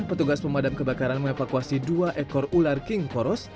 petugas pemadam kebakaran me evakuasi dua ekor ular king koros